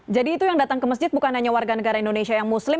jadi itu yang datang ke masjid bukan hanya warga negara indonesia yang muslim